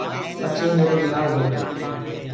پڇي ميرو ٻيآوٚ هوگو۔